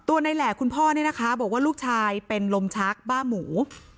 ในแหล่คุณพ่อเนี่ยนะคะบอกว่าลูกชายเป็นลมชักบ้าหมู